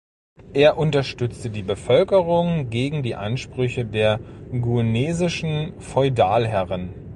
Er unterstützte die Bevölkerung gegen die Ansprüche der genuesischen Feudalherren.